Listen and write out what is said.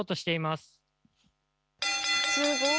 すごい！